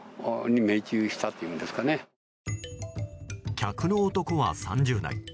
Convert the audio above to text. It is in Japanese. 客の男は３０代。